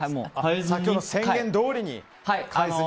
先ほどの宣言どおりに上げずに。